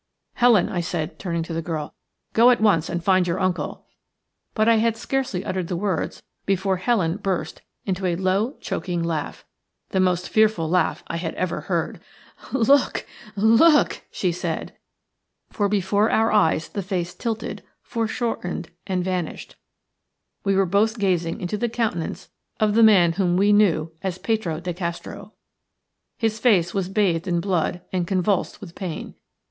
"Helen," I said, turning to the girl, "go at once and find your uncle." But I had scarcely uttered the words before Helen burst into a low, choking laugh – the most fearful laugh I had ever heard. "Look, look!" she said. "BENEATH THE WINDOW LAY A DARK, HUDDLED HEAP." For before our eyes the face tilted, foreshortened, and vanished. We were both gazing into the countenance of the man whom we knew as Petro de Castro. His face was bathed in blood and convulsed with pain.